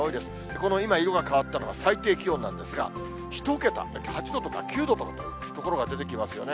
この今、色が変わったのが最低気温なんですが、１桁、８度とか９度とかという所が出てきますね。